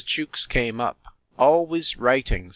Jewkes came up: Always writing!